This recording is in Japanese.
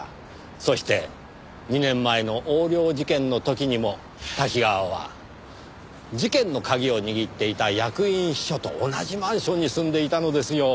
そして２年前の横領事件の時にも瀧川は事件の鍵を握っていた役員秘書と同じマンションに住んでいたのですよ。